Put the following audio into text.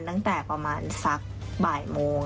ตั้งแต่ประมาณสักบ่ายโมง